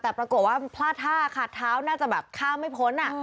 แต่ปรากฏว่าพลาดท่าขาดเท้าน่าจะแบบข้ามไม่พ้น